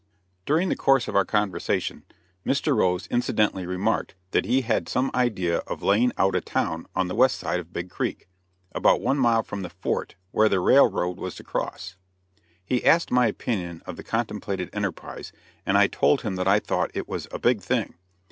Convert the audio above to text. During the course of our conversation, Mr. Rose incidentally remarked that he had some idea of laying out a town on the west side of Big Creek, about one mile from the fort, where the railroad was to cross. He asked my opinion of the contemplated enterprise, and I told him that I thought it was "a big thing."